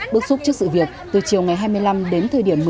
bước xuất trước sự việc từ chiều ngày hai mươi năm đến thời điểm